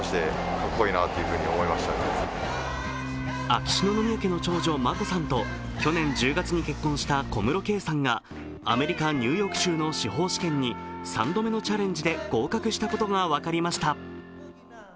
秋篠宮家の長女、眞子さんと結婚した小室圭さんがアメリカ・ニューヨーク州の司法試験に３度目のチャレンジで合格したことが分かりました。